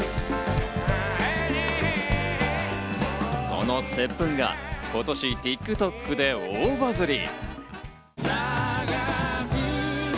その『接吻−ｋｉｓｓ−』が今年、ＴｉｋＴｏｋで大バズり。